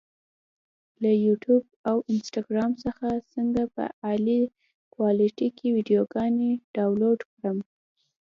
له یوټیوب او انسټاګرام څخه څنګه په اعلی کوالټي کې ویډیوګانې ډاونلوډ کړم؟